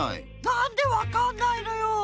なんでわかんないのよ。